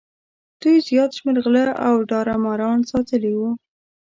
دوی زیات شمېر غله او داړه ماران ساتلي وو.